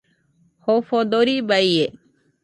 Jofo dorɨba ie